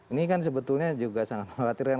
ini kan sebetulnya juga sangat mengkhawatirkan